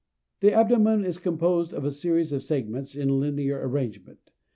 The abdomen is composed of a series of segments in linear arrangement (_c_^1 _c_^2, etc.).